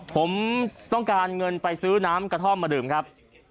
ผมต้องการเงินไปซื้อน้ำกระท่อมมาดื่มครับ